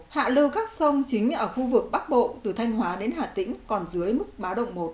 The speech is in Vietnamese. hạ lưu các sông chính ở khu vực bắc bộ từ thanh hóa đến hà tĩnh còn dưới mức báo động một